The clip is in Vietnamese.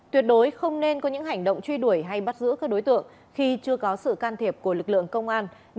tuyệt đối không nên có những hành động truy đuổi hay bắt giữ các đối tượng khi chưa có sự can thiệp của lực lượng công an